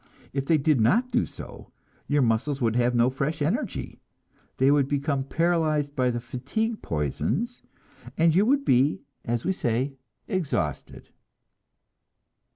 If they did not do so, your muscles would have no fresh energy; they would become paralyzed by the fatigue poisons, and you would be, as we say, exhausted.